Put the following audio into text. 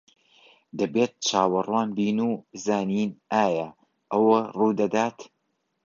دەبێت چاوەڕوان بین و بزانین ئایا ئەوە ڕوودەدات.